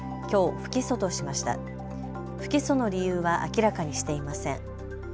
不起訴の理由は明らかにしていません。